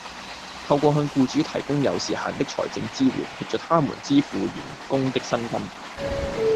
透過向僱主提供有時限的財政支援，協助他們支付員工的薪金